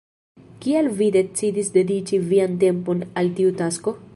Kial vi decidis dediĉi vian tempon al tiu tasko?